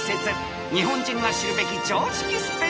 ［日本人が知るべき常識スペシャル］